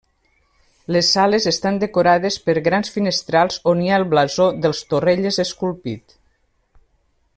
Les sales estan decorades per grans finestrals on hi ha el blasó dels Torrelles esculpit.